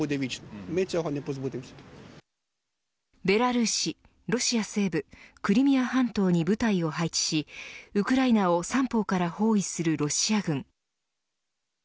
ベラルーシ、ロシア西部クリミア半島に部隊を配置しウクライナを三方から包囲するロシア軍。